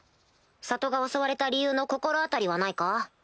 里が襲われた理由の心当たりはないか？